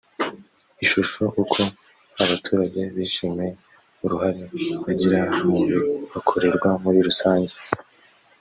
ishusho uko abaturage bishimiye uruhare bagira mu bibakorerwa muri rusange